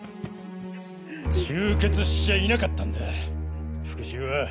終結しちゃいなかったんだ復讐は。